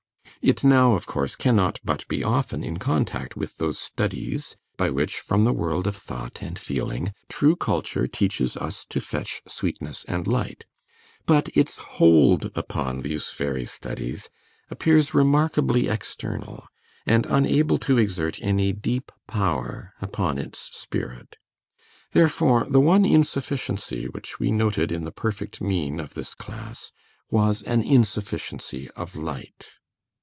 It now, of course, cannot but be often in contact with those studies by which, from the world of thought and feeling, true culture teaches us to fetch sweetness and light; but its hold upon these very studies appears remarkably external, and unable to exert any deep power upon its spirit. Therefore the one insufficiency which we noted in the perfect mean of this class was an insufficiency of light.